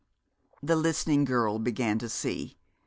The listening girl began to see.